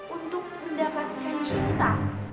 untuk mendapatkan cinta